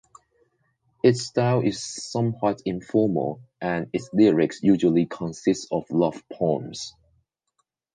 Its style is somewhat informal and its lyrics usually consist of love poems.